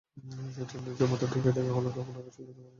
সিটের নিচে মাথা ঢুকিয়ে দেখা হলো, তারপর নাক শুঁকে নেওয়া হলো গন্ধও।